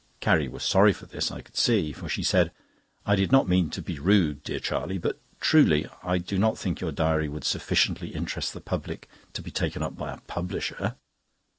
Carrie was sorry for this, I could see, for she said: "I did not mean to be rude, dear Charlie; but truly I do not think your diary would sufficiently interest the public to be taken up by a publisher."